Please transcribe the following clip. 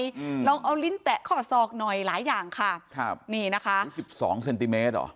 อืมลองเอาลิ้นแตะข้อศอกหน่อยหลายอย่างค่ะครับนี่นะคะสิบสองเซนติเมตรเหรอ